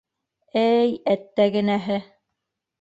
- Ә-әй, әттәгенәһе!